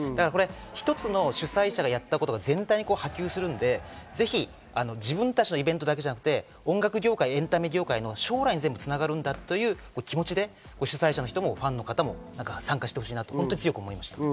一つの主催者がやったことが全体に波及するので、ぜひ自分たちのイベントだけじゃなくて、音楽業界、エンタメ業界の将来につながるんだという気持ちで主催者の人もファンの方も参加してほしいなと強く思いました。